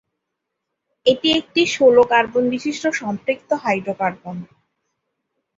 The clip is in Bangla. এটি একটি ষোল কার্বন বিশিষ্ট সম্পৃক্ত হাইড্রোকার্বন।